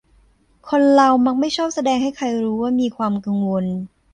คนเรามักไม่ชอบแสดงให้ใครรู้ว่ามีความกังวล